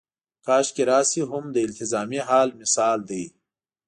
کاشکې راشي هم د التزامي حال مثال دی.